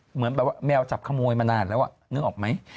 เหมือนแบบว่าแมวจับขโมยมานานแล้วนึกออกไหม